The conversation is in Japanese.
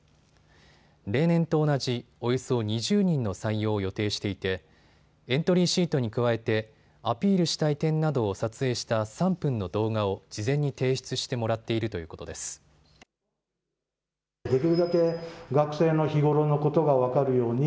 例年と同じおよそ２０人の採用を予定していてエントリーシートに加えてアピールしたい点などを撮影した３分の動画を事前に提出してもらっているということです。